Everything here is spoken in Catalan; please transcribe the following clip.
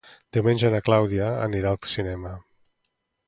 Diumenge na Clàudia anirà al cinema.